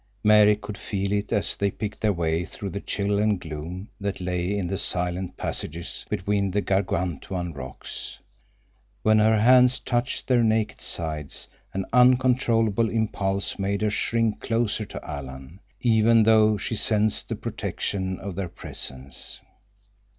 Mary could feel it as they picked their way through the chill and gloom that lay in the silent passages between the Gargantuan rocks. When her hands touched their naked sides an uncontrollable impulse made her shrink closer to Alan, even though she sensed the protection of their presence.